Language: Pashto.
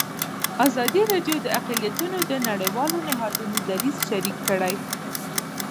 ازادي راډیو د اقلیتونه د نړیوالو نهادونو دریځ شریک کړی.